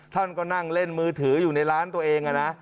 ท่านก็นั่งเล่นมือถืออยู่ในร้านตัวเองนะ